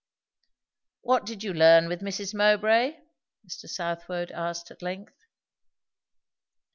"What did you learn with Mrs. Mowbray?" Mr. Southwode asked at length.